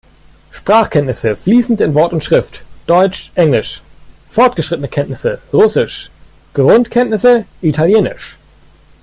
Sprachkenntnisse: fließend in Wort und Schrift: Deutsch, Englisch; fortgeschrittene Kenntnisse: Russisch, Grundkenntnisse: Italienisch.